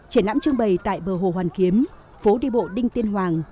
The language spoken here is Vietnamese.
triển lãm trưng bày tại bờ hồ hoàn kiếm phố đi bộ đinh tiên hoàng